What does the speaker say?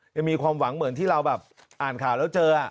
ยังมีความหวังเหมือนที่เราแบบอ่านข่าวแล้วเจอ